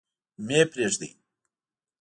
مه يې پريږدﺉ.